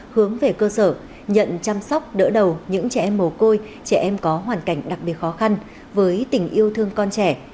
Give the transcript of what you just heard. hướng về cơ sở nhận chăm sóc đỡ đầu những trẻ em mồ côi trẻ em có hoàn cảnh đặc biệt khó khăn với tình yêu thương con trẻ